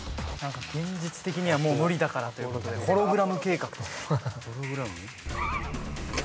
現実的にはもう無理だからということでホログラム計画。